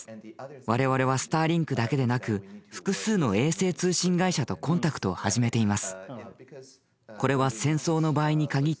我々はスターリンクだけでなく複数の衛星通信会社とコンタクトを始めています。